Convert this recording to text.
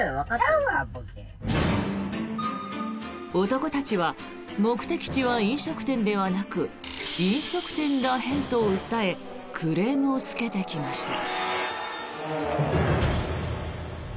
男たちは目的地は飲食店ではなく飲食店ら辺と訴えクレームをつけてきました。